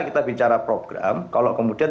kita bicara program kalau kemudian